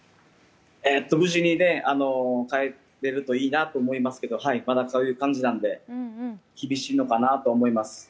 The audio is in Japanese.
無事に帰れるといいなと思いますけどまだ、こういう感じなので厳しいのかなとは思います。